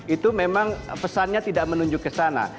itu memang pesannya tidak menunjuk ke sana